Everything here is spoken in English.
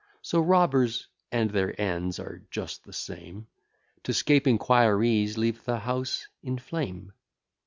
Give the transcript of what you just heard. So robbers, (and their ends are just the same,) To 'scape inquiries, leave the house in flame.